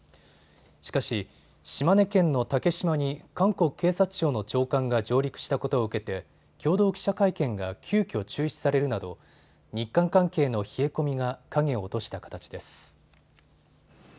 しかし、島根県の竹島に韓国警察庁の長官が上陸したことを受けて共同記者会見が急きょ中止されるなど日韓関係の冷え込みが影を落とした形です。